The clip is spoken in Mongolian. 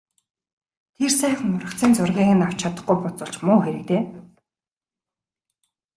Тэр сайхан ургацын зургийг нь авч чадахгүй буцвал ч муу хэрэг дээ...